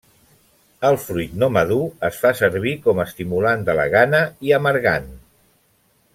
El fruit no madur es fa servir com estimulant de la gana i amargant.